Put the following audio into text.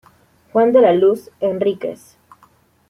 Juan de la luz Enríquez".